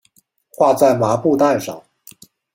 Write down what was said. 画在麻布袋上